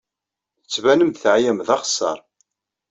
Tettbanem-d teɛyam d axeṣṣar.